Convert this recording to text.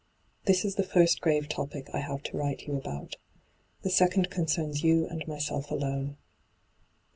' This is the first grave topic I have to write you about. The second concerns you and myself alone.